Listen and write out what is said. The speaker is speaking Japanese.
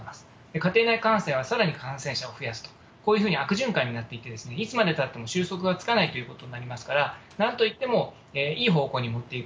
家庭内感染はさらに感染者を増やすと、こういうふうに悪循環になっていって、いつまでたっても収束がつかないということになりますから、なんといっても、いい方向に持っていく。